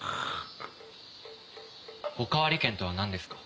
おかわり券とはなんですか？